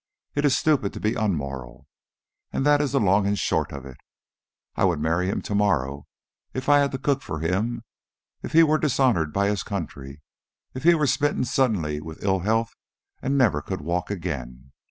It is stupid to be unmoral, and that is the long and the short of it. I would marry him to morrow if I had to cook for him, if he were dishonoured by his country, if he were smitten suddenly with ill health and never could walk again.